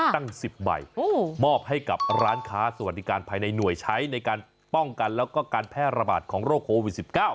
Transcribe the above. ตั้ง๑๐ใบมอบให้กับร้านค้าสวัสดิการภายในหน่วยใช้ในการป้องกันแล้วก็การแพร่ระบาดของโรคโควิด๑๙